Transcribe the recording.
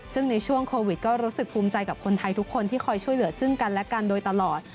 ซึ่งในช่วงโควิดก็รู้สึกภูมิใจกับคนไทยทุกคนที่คอยช่วยเหลือซึ่งกันและกันโดยตลอด